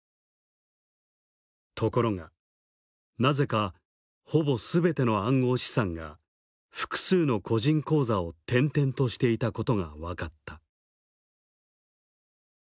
ところがなぜかほぼ全ての暗号資産が複数の個人口座を転々としていたことが分かった。